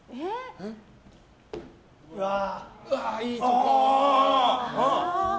うわ、いいとこ。